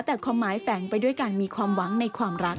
แต่ความหมายแฝงไปด้วยการมีความหวังในความรัก